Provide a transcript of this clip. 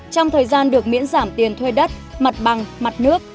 trong thời gian được miễn giảm tiền thuê đất mặt bằng mặt nước